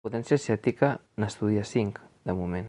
La potència asiàtica n’estudia cinc, de moment.